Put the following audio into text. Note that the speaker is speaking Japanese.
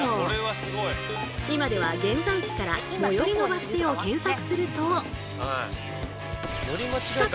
今では現在地から最寄りのバス停を検索すると。